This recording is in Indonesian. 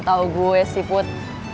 setau gue sih put